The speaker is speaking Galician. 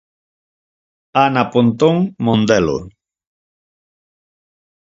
Ana Pontón Mondelo.